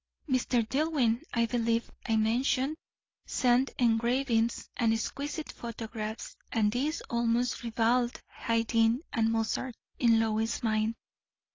Mr. Dillwyn, I believe I mentioned, sent engravings and exquisite photographs; and these almost rivalled Haydn and Mozart in Lois's mind.